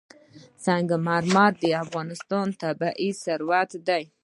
سنگ مرمر د افغانستان طبعي ثروت دی.